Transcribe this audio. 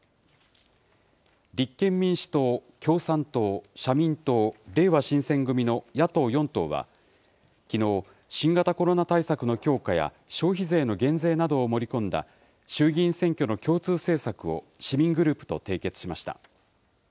立憲民主党、共産党、社民党、れいわ新選組の野党４党はきのう、新型コロナ対策の強化や消費税の減税などを盛り込んだ、衆議院選挙の共通政策を、市民グループと締結しました。